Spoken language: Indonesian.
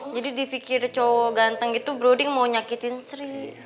jadi di fikir cowok ganteng gitu bro d mau nyakitin sri